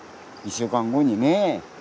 １週間後にね。